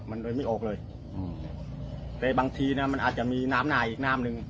มันเลยไม่ออกเลยอืมแต่บางทีเนี้ยมันอาจจะมีน้ำหน้าอีกน้ำหนึ่ง